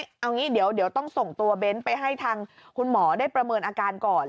เอางี้เดี๋ยวต้องส่งตัวเบ้นไปให้ทางคุณหมอได้ประเมินอาการก่อน